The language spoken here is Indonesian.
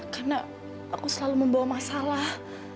karena aku selalu membawa masalah